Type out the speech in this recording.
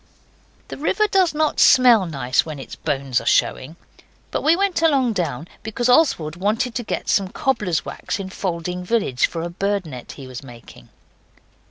The river does not smell nice when its bones are showing. But we went along down, because Oswald wanted to get some cobbler's wax in Falding village for a bird net he was making.